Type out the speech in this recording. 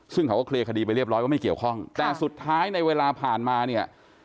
ซึ่งเขาก็เคลียร์คดีไปเรียบร้อยว่าไม่เกี่ยวข้องแต่สุดท้ายในเวลาผ่านมาเนี่ย